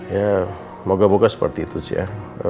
ya moga moga seperti itu sih ya